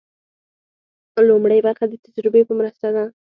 لومړۍ برخه د تجربې په مرسته ده.